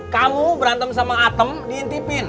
kamu berantem sama atem diintipin